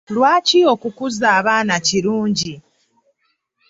Lwaki okukuza abaana kirungi?